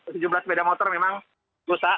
sejumlah sepeda motor memang rusak